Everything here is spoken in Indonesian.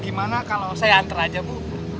gimana kalau saya anter aja bu